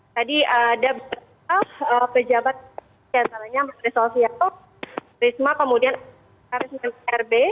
tadi ada pejabat salahnya mbak rizal siyato rizma kemudian rizman r b